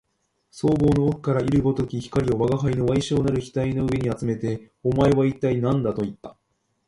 双眸の奥から射るごとき光を吾輩の矮小なる額の上にあつめて、おめえは一体何だと言った